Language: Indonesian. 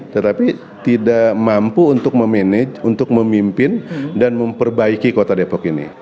tetapi tidak mampu untuk memanage untuk memimpin dan memperbaiki kota depok ini